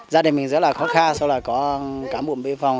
gia đình mình rất là khó khăn sau đó có cám bụng biên phòng